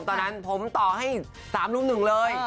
ตอนนั้นผมต่อให้๓รุ่มหนึ่งเลย